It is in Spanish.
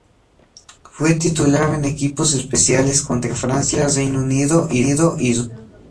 Fue titular en equipos especiales contra Francia, Reino Unido y Rusia.